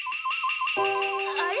あれ？